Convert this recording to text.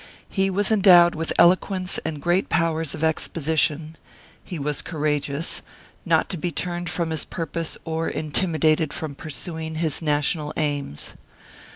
He was endowed with eloquence and great powers of exposition; he was courageous, not to be turned from his purpose or intimidated from pursuing his national aims.